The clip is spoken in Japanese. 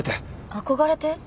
憧れて？